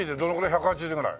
１８０ぐらい？